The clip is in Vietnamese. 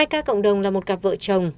hai ca cộng đồng là một cặp vợ chồng